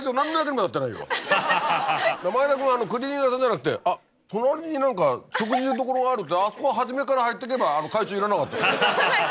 前田君がクリーニング屋さんじゃなくて隣に何か食事どころがあるってあそこ初めから入っていけば会長いらなかった。